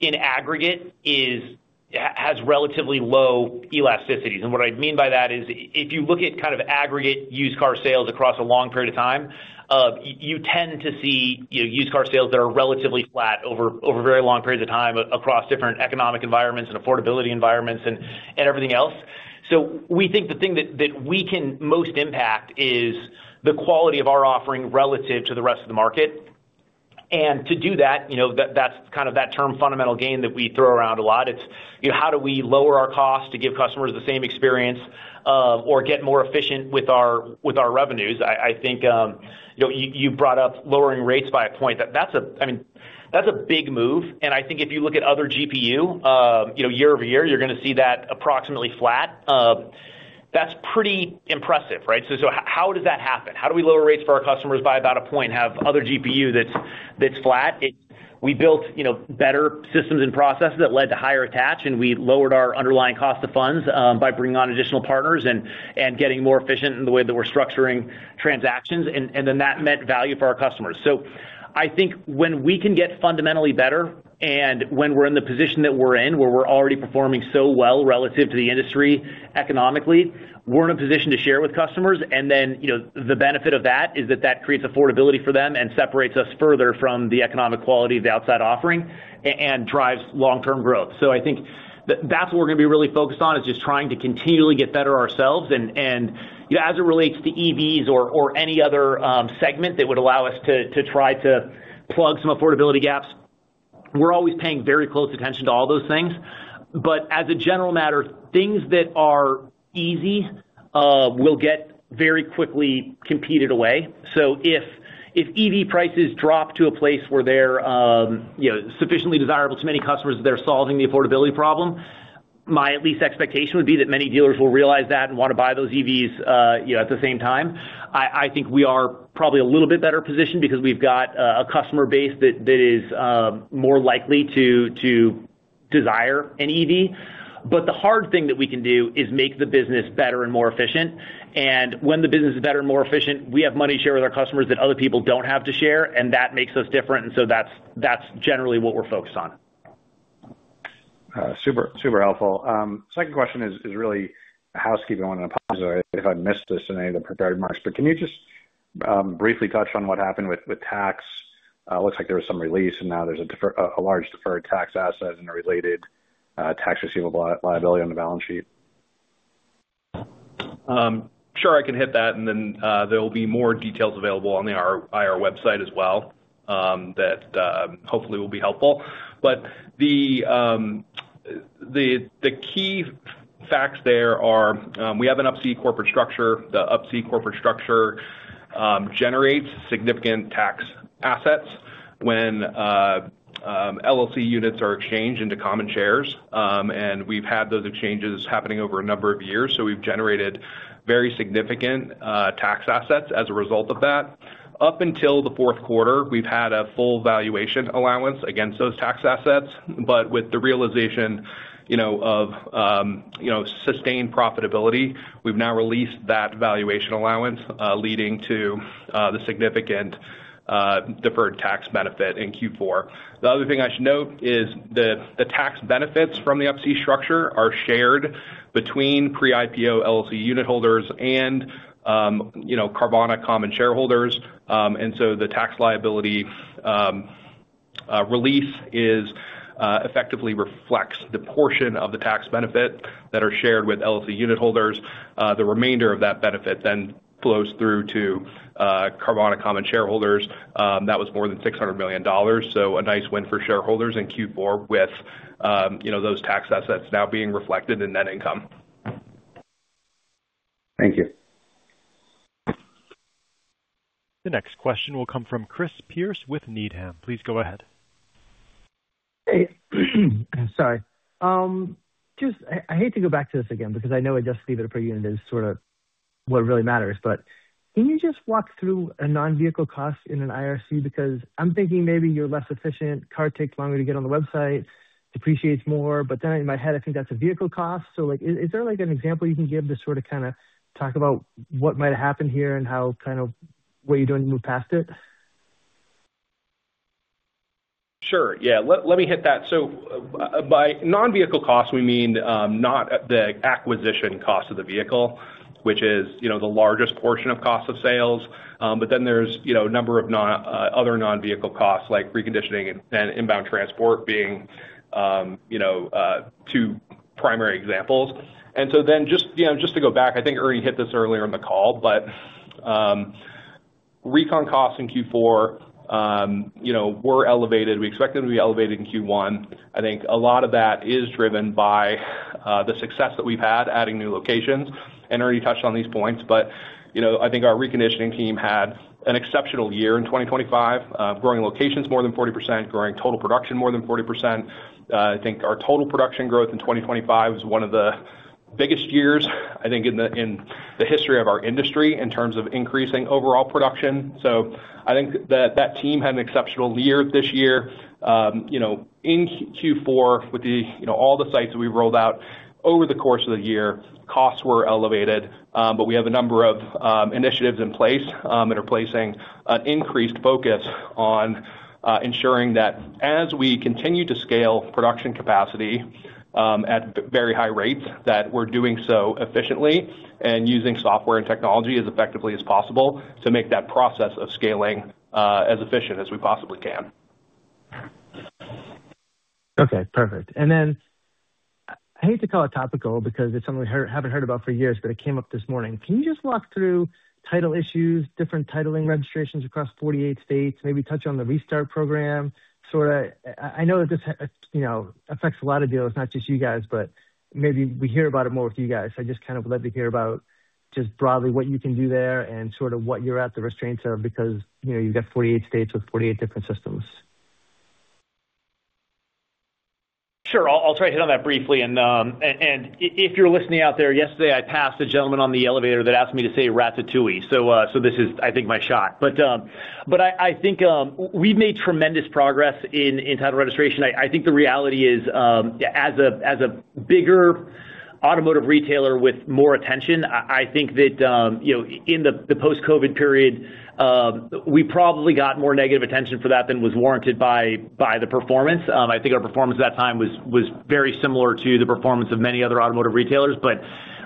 in aggregate is has relatively low elasticities. And what I mean by that is, if you look at kind of aggregate used car sales across a long period of time, you tend to see, you know, used car sales that are relatively flat over very long periods of time, across different economic environments and affordability environments and everything else. So we think the thing that we can most impact is the quality of our offering relative to the rest of the market. And to do that, you know, that's kind of that term fundamental gain that we throw around a lot. It's, you know, how do we lower our cost to give customers the same experience, or get more efficient with our, with our revenues? I think, you know, you brought up lowering rates by a point. That's a... I mean, that's a big move, and I think if you look at our GPU, you know, year-over-year, you're gonna see that approximately flat. That's pretty impressive, right? So how does that happen? How do we lower rates for our customers by about a point, have our GPU that's flat? We built, you know, better systems and processes that led to higher attach, and we lowered our underlying cost of funds by bringing on additional partners and getting more efficient in the way that we're structuring transactions, and then that meant value for our customers. So, I think when we can get fundamentally better and when we're in the position that we're in, where we're already performing so well relative to the industry economically, we're in a position to share with customers. And then, you know, the benefit of that is that that creates affordability for them and separates us further from the economic quality of the outside offering and drives long-term growth. So I think that's what we're going to be really focused on, is just trying to continually get better ourselves. And as it relates to EVs or any other segment that would allow us to try to plug some affordability gaps, we're always paying very close attention to all those things. But as a general matter, things that are easy will get very quickly competed away. So if EV prices drop to a place where they're, you know, sufficiently desirable to many customers, they're solving the affordability problem. My at least expectation would be that many dealers will realize that and want to buy those EVs, you know, at the same time. I think we are probably a little bit better positioned because we've got a customer base that is more likely to desire an EV. But the hard thing that we can do is make the business better and more efficient. And when the business is better and more efficient, we have money to share with our customers that other people don't have to share, and that makes us different, and so that's generally what we're focused on. Super, super helpful. Second question is really housekeeping. I want to apologize if I missed this in any of the prepared remarks, but can you just briefly touch on what happened with tax? It looks like there was some release, and now there's a deferred tax asset and a related tax receivable liability on the balance sheet. Sure, I can hit that, and then there will be more details available on the IR website as well, that hopefully will be helpful. But the key facts there are, we have an Up-C corporate structure. The Up-C corporate structure generates significant tax assets when LLC units are exchanged into common shares. And we've had those changes happening over a number of years, so we've generated very significant tax assets as a result of that. Up until the fourth quarter, we've had a full valuation allowance against those tax assets, but with the realization, you know, of, you know, sustained profitability, we've now released that valuation allowance, leading to the significant deferred tax benefit in Q4. The other thing I should note is that the tax benefits from the Up-C structure are shared between pre-IPO LLC unit holders and, you know, Carvana common shareholders. And so the tax liability, relief is, effectively reflects the portion of the tax benefit that are shared with LLC unit holders. The remainder of that benefit then flows through to, Carvana common shareholders. That was more than $600 million, so a nice win for shareholders in Q4 with, you know, those tax assets now being reflected in net income. Thank you. The next question will come from Chris Pierce with Needham. Please go ahead. Hey, sorry. Just, I hate to go back to this again because I know Adjusted EBITDA per unit is sort of what really matters, but can you just walk through a non-vehicle cost in an IRC? Because I'm thinking maybe you're less efficient, car takes longer to get on the website, depreciates more, but then in my head, I think that's a vehicle cost. So, like, is there, like, an example you can give to sort of kinda talk about what might have happened here and how, kind of, what you're doing to move past it? Sure. Yeah, let me hit that. So by non-vehicle costs, we mean, not the acquisition cost of the vehicle, which is, you know, the largest portion of cost of sales. But then there's, you know, a number of other non-vehicle costs, like reconditioning and inbound transport being, you know, two primary examples. And so then just, you know, just to go back, I think Ernie hit this earlier in the call, but, recon costs in Q4, you know, were elevated. We expect them to be elevated in Q1. I think a lot of that is driven by the success that we've had adding new locations. Ernie touched on these points, but, you know, I think our reconditioning team had an exceptional year in 2025, growing locations more than 40%, growing total production more than 40%. I think our total production growth in 2025 is one of the biggest years, I think, in the, in the history of our industry in terms of increasing overall production. So I think that that team had an exceptional year this year. You know, in Q4, with the, you know, all the sites that we rolled out over the course of the year, costs were elevated, but we have a number of initiatives in place, and are placing an increased focus on ensuring that as we continue to scale production capacity at very high rates, that we're doing so efficiently and using software and technology as effectively as possible to make that process of scaling as efficient as we possibly can. Okay, perfect. And then, I hate to call it topical because it's something we heard—haven't heard about for years, but it came up this morning. Can you just walk through title issues, different titling registrations across 48 states, maybe touch on the restart program? Sorta, I know that this, you know, affects a lot of deals, not just you guys, but maybe we hear about it more with you guys. I'd just kind of love to hear about just broadly what you can do there and sort of what your active restraints are, because, you know, you've got 48 states with 48 different systems. Sure. I'll try to hit on that briefly. And if you're listening out there, yesterday, I passed a gentleman on the elevator that asked me to say Ratatouille, so this is, I think, my shot. But I think we've made tremendous progress in title registration. I think the reality is, as a bigger, automotive retailer with more attention. I think that, you know, in the post-COVID period, we probably got more negative attention for that than was warranted by the performance. I think our performance at that time was very similar to the performance of many other automotive retailers. But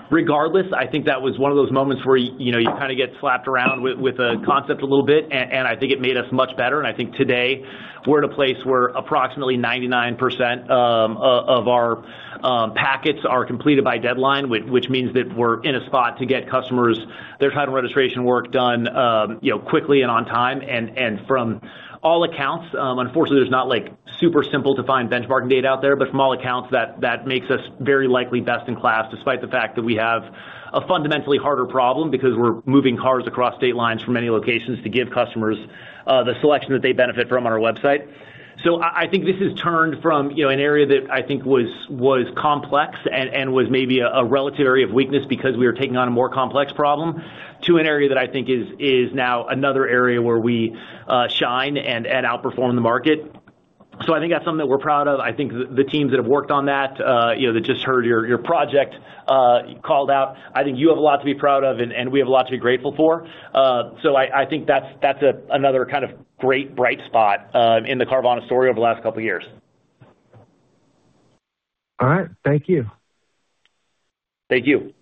regardless, I think that was one of those moments where, you know, you kind of get slapped around with a concept a little bit, and I think it made us much better. And I think today, we're at a place where approximately 99% of our packets are completed by deadline, which means that we're in a spot to get customers their title and registration work done, you know, quickly and on time. From all accounts, unfortunately, there's not, like, super simple to find benchmarking data out there, but from all accounts, that makes us very likely best in class, despite the fact that we have a fundamentally harder problem because we're moving cars across state lines from many locations to give customers the selection that they benefit from on our website. So I think this has turned from, you know, an area that I think was complex and was maybe a relative area of weakness because we were taking on a more complex problem, to an area that I think is now another area where we shine and outperform the market. So I think that's something that we're proud of. I think the teams that have worked on that, you know, that just heard your project called out. I think you have a lot to be proud of, and we have a lot to be grateful for. So I think that's another kind of great, bright spot in the Carvana story over the last couple of years. All right. Thank you. Thank you.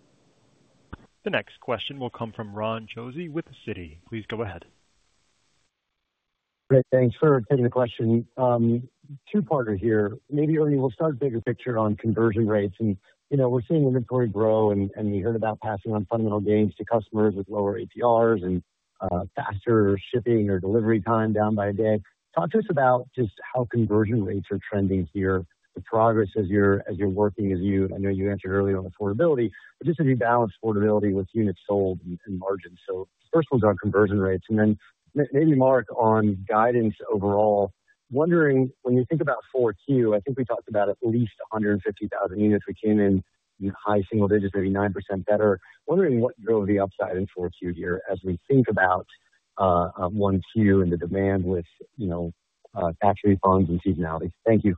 The next question will come from Ron Josey with Citi. Please go ahead. Great. Thanks for taking the question. Two-parter here. Maybe, Ernie, we'll start bigger picture on conversion rates. And, you know, we're seeing inventory grow, and we heard about passing on fundamental gains to customers with lower APRs and faster shipping or delivery time down by a day. Talk to us about just how conversion rates are trending here, the progress as you're working. I know you answered earlier on affordability, but just as you balance affordability with units sold and margins. So first one's on conversion rates, and then maybe, Mark, on guidance overall. Wondering, when you think about Q4, I think we talked about at least 150,000 units. We came in high single digits, maybe 9% better. Wondering what drove the upside in 4Q here as we think about 1Q and the demand with, you know, tax refunds and seasonality. Thank you.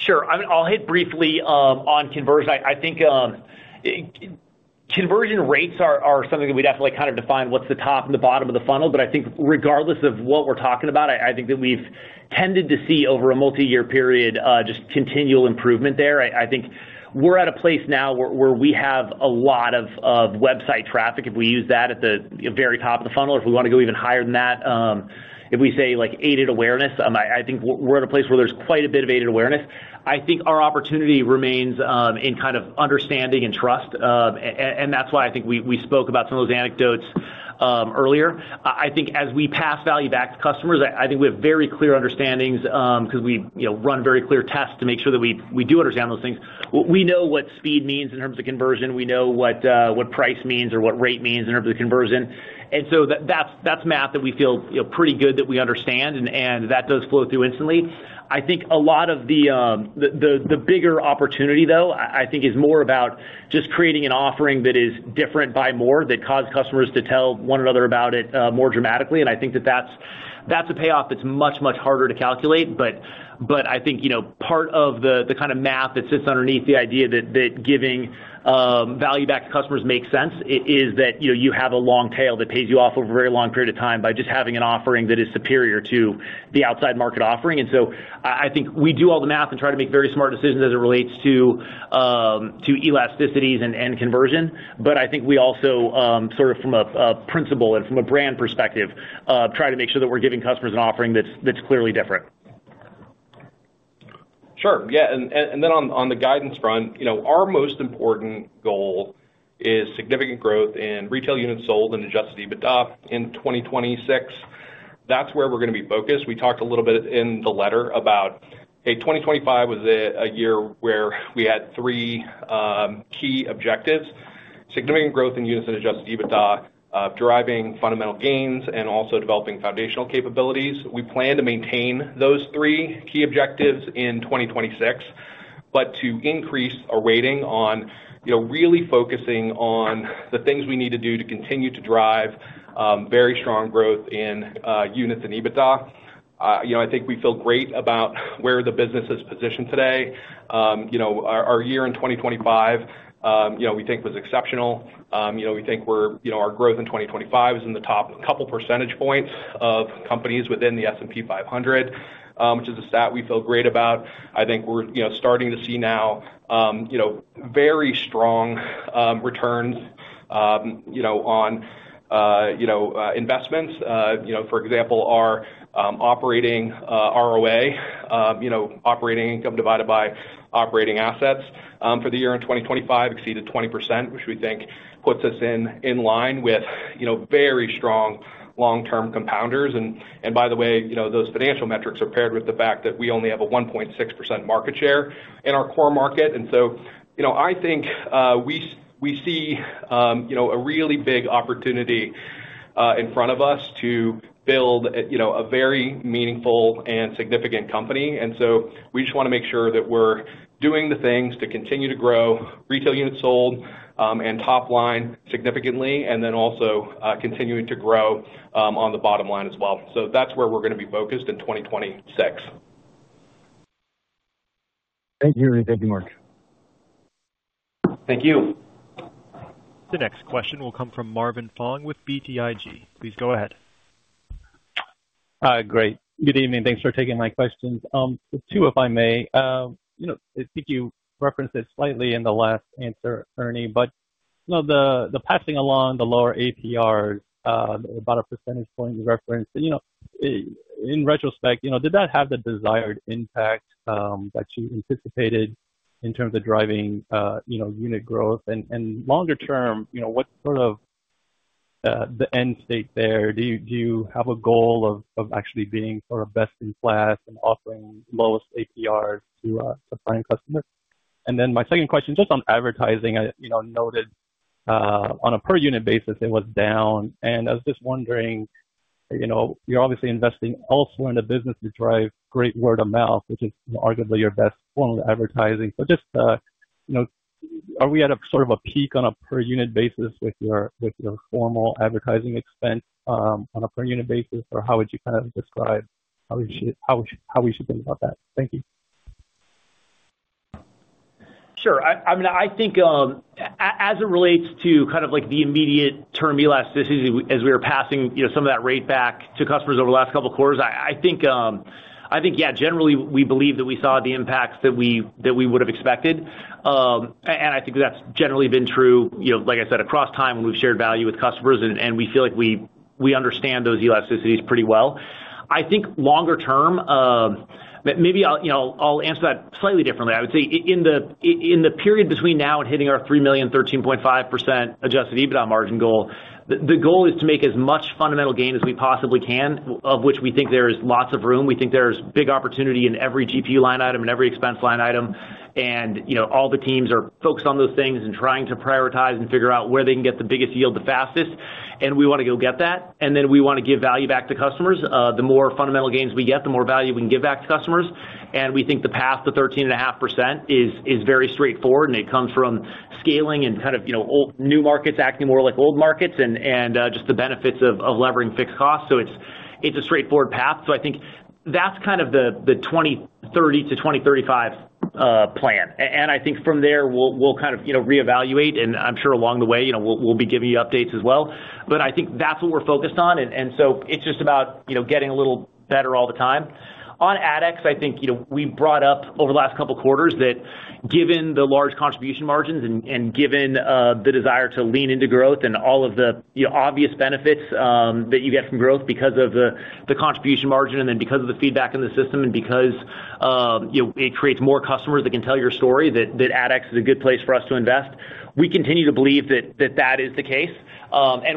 Sure. I'll hit briefly on conversion. I think conversion rates are something that we definitely kind of define what's the top and the bottom of the funnel, but I think regardless of what we're talking about, I think that we've tended to see over a multiyear period just continual improvement there. I think we're at a place now where we have a lot of website traffic, if we use that at the you know very top of the funnel. If we want to go even higher than that, if we say like aided awareness, I think we're at a place where there's quite a bit of aided awareness. I think our opportunity remains in kind of understanding and trust, and that's why I think we, we spoke about some of those anecdotes earlier. I think as we pass value back to customers, I think we have very clear understandings because we, you know, run very clear tests to make sure that we, we do understand those things. We, we know what speed means in terms of conversion. We know what what price means or what rate means in terms of conversion. And so that's that's math that we feel, you know, pretty good that we understand, and that does flow through instantly. I think a lot of the bigger opportunity, though, I think, is more about just creating an offering that is different by more, that cause customers to tell one another about it more dramatically. And I think that that's a payoff that's much harder to calculate. But I think, you know, part of the kind of math that sits underneath the idea that giving value back to customers makes sense, is that, you know, you have a long tail that pays you off over a very long period of time by just having an offering that is superior to the outside market offering. And so I think we do all the math and try to make very smart decisions as it relates to elasticities and conversion. I think we also sort of from a principle and from a brand perspective try to make sure that we're giving customers an offering that's clearly different. Sure. Yeah, and then on the guidance front, you know, our most important goal is significant growth in retail units sold and Adjusted EBITDA in 2026. That's where we're going to be focused. We talked a little bit in the letter about 2025 was a year where we had three key objectives: significant growth in units and Adjusted EBITDA, driving fundamental gains, and also developing foundational capabilities. We plan to maintain those three key objectives in 2026, but to increase our weighting on, you know, really focusing on the things we need to do to continue to drive very strong growth in units and EBITDA. You know, I think we feel great about where the business is positioned today. You know, our year in 2025, you know, we think was exceptional. You know, we think we're, you know, our growth in 2025 is in the top couple percentage points of companies within the S&P 500, which is a stat we feel great about. I think we're, you know, starting to see now, you know, very strong returns, you know, on investments. You know, for example, our operating ROA, you know, operating income divided by operating assets, for the year in 2025 exceeded 20%, which we think puts us in line with, you know, very strong long-term compounders. And by the way, you know, those financial metrics are paired with the fact that we only have a 1.6% market share in our core market. And so, you know, I think, we see, you know, a really big opportunity, in front of us to build a, you know, a very meaningful and significant company. And so we just want to make sure that we're doing the things to continue to grow retail units sold, and top line significantly, and then also, continuing to grow, on the bottom line as well. So that's where we're going to be focused in 2026. Thank you, Ernie. Thank you, Mark. Thank you. The next question will come from Marvin Fong with BTIG. Please go ahead. Great. Good evening. Thanks for taking my questions. Two, if I may. You know, I think you referenced it slightly in the last answer, Ernie, but you know, the passing along the lower APR, about a percentage point you referenced. You know, in retrospect, you know, did that have the desired impact that you anticipated in terms of driving you know, unit growth? Longer term, you know, what's sort of the end state there? Do you have a goal of actually being sort of best in class and offering lowest APR to prime customers? And then my second question, just on advertising, I you know, noted on a per unit basis, it was down. I was just wondering, you know, you're obviously investing also in a business to drive great word of mouth, which is arguably your best form of advertising. So just, you know, are we at a sort of a peak on a per unit basis with your, with your formal advertising expense, on a per unit basis? Or how would you kind of describe how we should, how we, how we should think about that? Thank you. Sure. I mean, I think, as it relates to kind of like the immediate term elasticity as we are passing, you know, some of that rate back to customers over the last couple of quarters, I think, yeah, generally we believe that we saw the impacts that we would have expected. And I think that's generally been true, you know, like I said, across time, when we've shared value with customers, and we feel like we understand those elasticities pretty well. I think longer term, maybe I'll, you know, answer that slightly differently. I would say in the period between now and hitting our 3 million, 13.5% adjusted EBITDA margin goal, the goal is to make as much fundamental gain as we possibly can, of which we think there is lots of room. We think there's big opportunity in every GPU line item and every expense line item. And, you know, all the teams are focused on those things and trying to prioritize and figure out where they can get the biggest yield the fastest. And we want to go get that, and then we want to give value back to customers. The more fundamental gains we get, the more value we can give back to customers. And we think the path to 13.5% is very straightforward, and it comes from scaling and kind of, you know, old-new markets acting more like old markets and just the benefits of levering fixed costs. So it's a straightforward path. So I think that's kind of the 2030 to 2035 plan. And I think from there, we'll kind of, you know, reevaluate, and I'm sure along the way, you know, we'll be giving you updates as well. But I think that's what we're focused on. And so it's just about, you know, getting a little better all the time. On AdEx, I think, you know, we brought up over the last couple of quarters that given the large contribution margins and, and given the desire to lean into growth and all of the, you know, obvious benefits, you know, that you get from growth because of the contribution margin, and then because of the feedback in the system, and because, you know, it creates more customers that can tell your story, that AdEx is a good place for us to invest. We continue to believe that that is the case.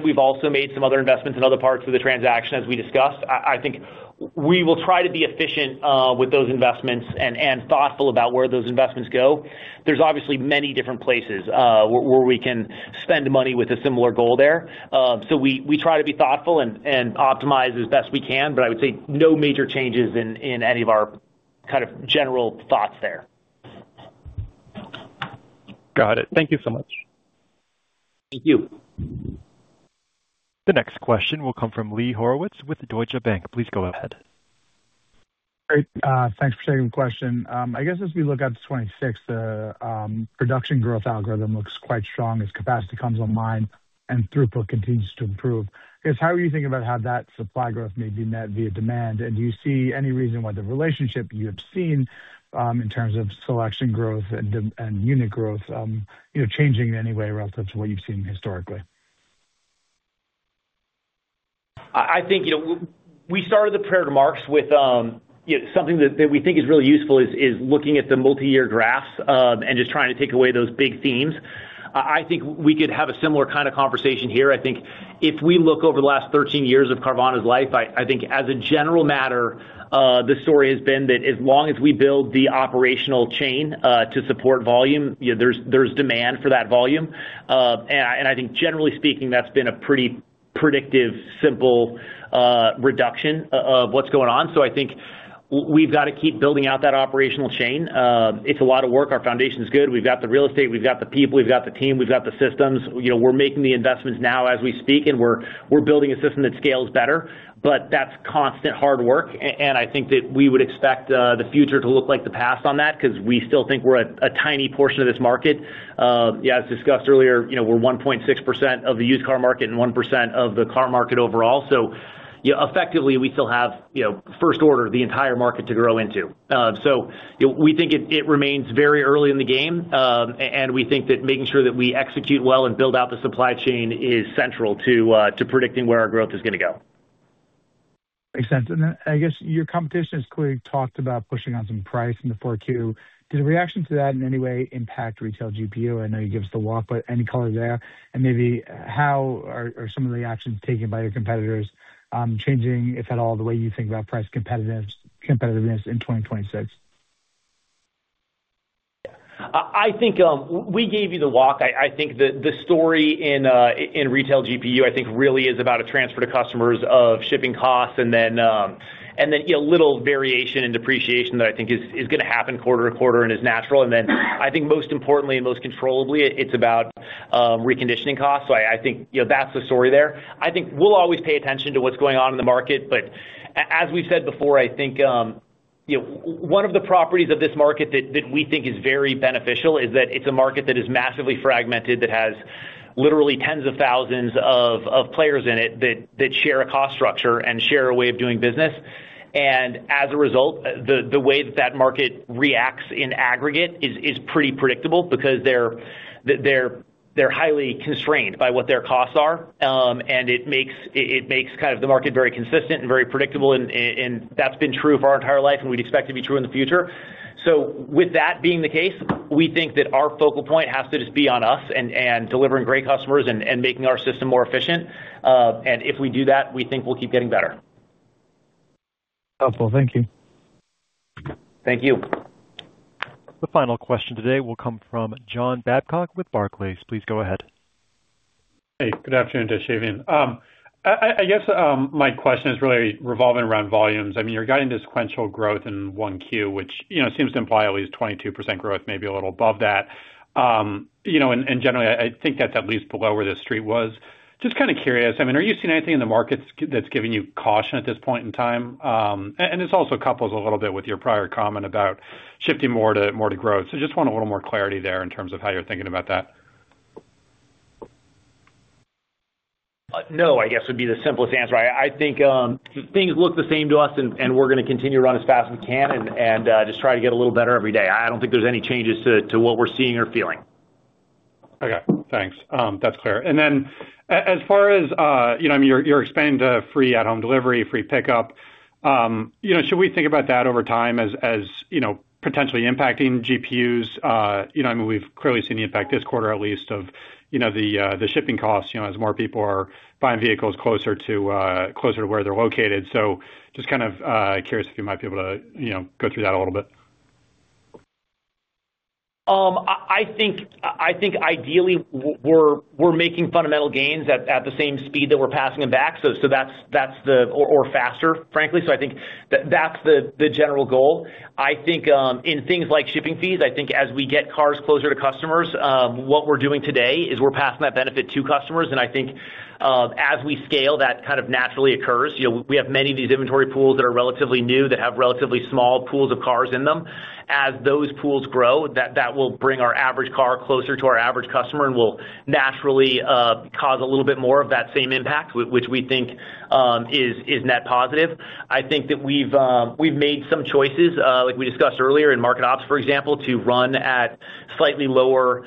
We've also made some other investments in other parts of the transaction, as we discussed. I think we will try to be efficient with those investments and thoughtful about where those investments go. There's obviously many different places where we can spend money with a similar goal there. So we try to be thoughtful and optimize as best we can, but I would say no major changes in any of our kind of general thoughts there. Got it. Thank you so much. Thank you. The next question will come from Lee Horowitz with Deutsche Bank. Please go ahead. Great. Thanks for taking the question. I guess as we look out to 2026, the production growth algorithm looks quite strong as capacity comes online and throughput continues to improve. I guess, how are you thinking about how that supply growth may be met via demand? And do you see any reason why the relationship you've seen, in terms of selection growth and demand and unit growth, you know, changing in any way relative to what you've seen historically? I think, you know, we started the prepared remarks with, you know, something that we think is really useful is looking at the multiyear graphs, and just trying to take away those big themes. I think we could have a similar kind of conversation here. I think if we look over the last 13 years of Carvana's life, I think as a general matter, the story has been that as long as we build the operational chain to support volume, you know, there's demand for that volume. And I think generally speaking, that's been a pretty predictive, simple, reduction of what's going on. So I think we've got to keep building out that operational chain. It's a lot of work. Our foundation is good. We've got the real estate, we've got the people, we've got the team, we've got the systems. You know, we're making the investments now as we speak, and we're building a system that scales better, but that's constant hard work. And I think that we would expect the future to look like the past on that, because we still think we're at a tiny portion of this market. Yeah, as discussed earlier, you know, we're 1.6% of the used car market and 1% of the car market overall. So, you know, effectively, we still have, you know, first order, the entire market to grow into. So we think it remains very early in the game, and we think that making sure that we execute well and build out the supply chain is central to predicting where our growth is going to go. Makes sense. And then I guess your competition has clearly talked about pushing on some price in the 4Q. Did the reaction to that in any way impact retail GPU? I know you gave us the walk, but any color there, and maybe how are, are some of the actions taken by your competitors, changing, if at all, the way you think about price competitiveness, competitiveness in 2026? I, I think, we gave you the walk. I, I think the, the story in, in retail GPU, I think, really is about a transfer to customers of shipping costs, and then, and then, you know, a little variation in depreciation that I think is, is gonna happen quarter to quarter and is natural. And then I think most importantly and most controllably, it's about, reconditioning costs. So I, I think, you know, that's the story there. I think we'll always pay attention to what's going on in the market, but as we've said before, I think... You know, one of the properties of this market that we think is very beneficial is that it's a market that is massively fragmented, that has literally tens of thousands of players in it, that share a cost structure and share a way of doing business. And as a result, the way that that market reacts in aggregate is pretty predictable because they're highly constrained by what their costs are. And it makes kind of the market very consistent and very predictable, and that's been true for our entire life, and we'd expect it to be true in the future. So with that being the case, we think that our focal point has to just be on us and delivering great customers and making our system more efficient. If we do that, we think we'll keep getting better. Helpful. Thank you. Thank you. The final question today will come from John Babcock with Barclays. Please go ahead. Hey, good afternoon to everyone. I guess my question is really revolving around volumes. I mean, you're guiding this sequential growth in 1Q, which, you know, seems to imply at least 22% growth, maybe a little above that. You know, and generally, I think that's at least below where the street was. Just kind of curious, I mean, are you seeing anything in the markets that's giving you caution at this point in time? And this also couples a little bit with your prior comment about shifting more to growth. So just want a little more clarity there in terms of how you're thinking about that. No, I guess would be the simplest answer. I think things look the same to us, and we're going to continue to run as fast as we can and just try to get a little better every day. I don't think there's any changes to what we're seeing or feeling. Okay, thanks. That's clear. And then as far as, you know, I mean, you're expanding to free at-home delivery, free pickup, you know, should we think about that over time as, you know, potentially impacting GPUs? You know, I mean, we've clearly seen the impact this quarter, at least, of, you know, the shipping costs, you know, as more people are buying vehicles closer to closer to where they're located. So just kind of curious if you might be able to, you know, go through that a little bit. I think ideally we're making fundamental gains at the same speed that we're passing them back. So that's the... Or faster, frankly. So I think that's the general goal. I think in things like shipping fees, I think as we get cars closer to customers, what we're doing today is we're passing that benefit to customers, and I think as we scale, that kind of naturally occurs. You know, we have many of these inventory pools that are relatively new, that have relatively small pools of cars in them. As those pools grow, that will bring our average car closer to our average customer and will naturally cause a little bit more of that same impact, which we think is net positive. I think that we've made some choices, like we discussed earlier in market ops, for example, to run at slightly lower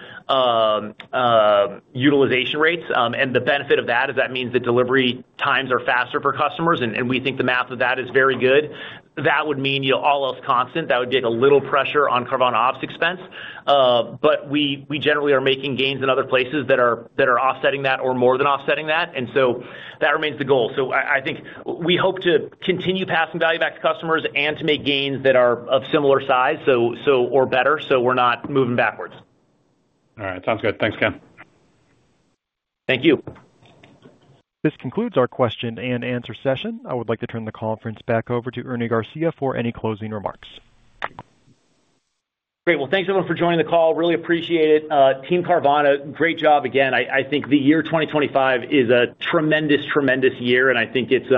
utilization rates. The benefit of that is that means the delivery times are faster for customers, and we think the math of that is very good. That would mean, you know, all else constant, that would take a little pressure on Carvana ops expense. But we generally are making gains in other places that are offsetting that or more than offsetting that, and so that remains the goal. So I think we hope to continue passing value back to customers and to make gains that are of similar size, or better, so we're not moving backwards. All right. Sounds good. Thanks, again. Thank you. This concludes our question and answer session. I would like to turn the conference back over to Ernie Garcia for any closing remarks. Great. Well, thanks, everyone, for joining the call. Really appreciate it. Team Carvana, great job again. I think the year 2025 is a tremendous, tremendous year, and I think it's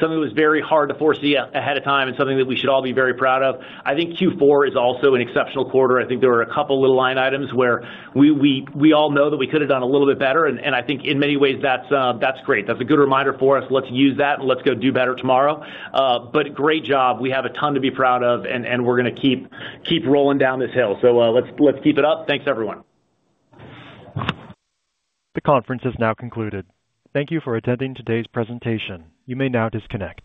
something that was very hard to foresee ahead of time and something that we should all be very proud of. I think Q4 is also an exceptional quarter. I think there were a couple little line items where we all know that we could have done a little bit better, and I think in many ways, that's great. That's a good reminder for us. Let's use that, and let's go do better tomorrow. But great job. We have a ton to be proud of, and we're going to keep rolling down this hill. So, let's keep it up. Thanks, everyone. The conference is now concluded. Thank you for attending today's presentation. You may now disconnect.